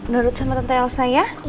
dudut sama tante elsa ya